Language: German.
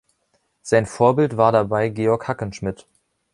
Sein Vorbild war dabei Georg Hackenschmidt.